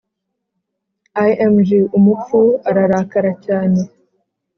Img umupfu ararakara cyane